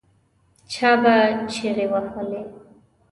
چا به چیغې وهلې.